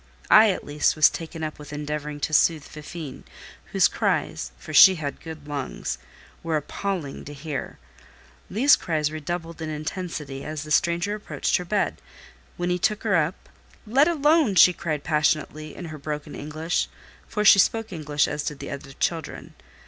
I, at least, was taken up with endeavouring to soothe Fifine; whose cries (for she had good lungs) were appalling to hear. These cries redoubled in intensity as the stranger approached her bed; when he took her up, "Let alone!" she cried passionately, in her broken English (for she spoke English as did the other children).